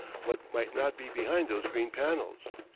What might not be behind those green panels!